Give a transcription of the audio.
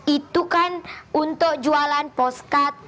itu kan untuk jualan poskat